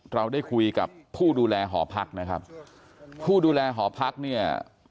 เราได้คุยกับผู้ดูแลหอพักนะครับผู้ดูแลหอพักเนี่ย